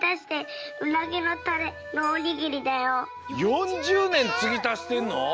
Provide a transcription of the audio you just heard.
４０ねんつぎたしてんの？